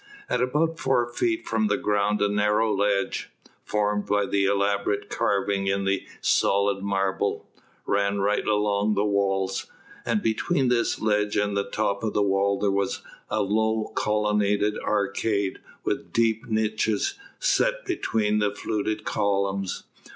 At about four feet from the ground a narrow ledge formed by the elaborate carving in the solid marble ran right along the walls, and between this ledge and the top of the wall there was a low colonnaded arcade with deep niches set between the fluted columns.